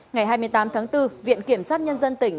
ngày hai mươi tám tháng bốn viện kiểm sát nhân dân tỉnh